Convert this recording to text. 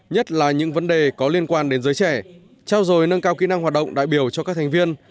nhất là những vấn đề có liên quan đến giới trẻ trao dồi nâng cao kỹ năng hoạt động đại biểu cho các thành viên